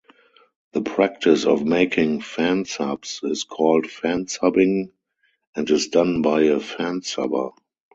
The practice of making fansubs is called fansubbing and is done by a fansubber.